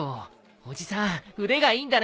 おじさん腕がいいんだね！